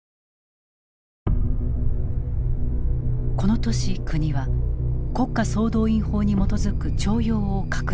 この年国は国家総動員法に基づく徴用を拡大。